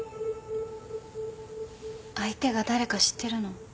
相手が誰か知ってるの？